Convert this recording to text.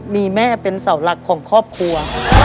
มีแม่เป็นเสาหลักของครอบครัว